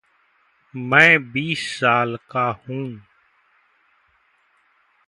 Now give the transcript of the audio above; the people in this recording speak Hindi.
मैं बीस साल का हुँ